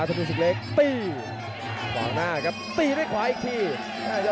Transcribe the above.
กระโดยสิ้งเล็กนี่ออกกันขาสันเหมือนกันครับ